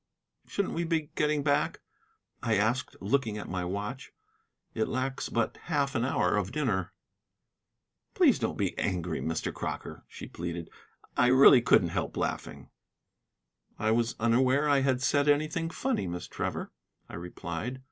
"Shouldn't we be getting back?" I asked, looking at my watch. "It lacks but half an hour of dinner." "Please don't be angry, Mr. Crocker," she pleaded. "I really couldn't help laughing." "I was unaware I had said anything funny, Miss Trevor," I replied.